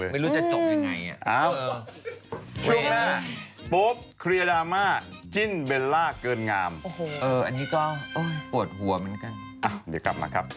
เบลล่าจิ้นเบลล่าเกินงามอันนี้ก็โอดหัวเหมือนกันอ่ะเดี๋ยวกลับมาครับ